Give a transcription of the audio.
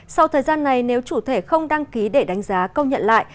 sau thời gian này nếu chủ thể không đăng ký để đánh giá công nhận lại